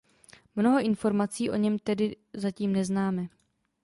Mnoho informací o něm tedy zatím neznáme.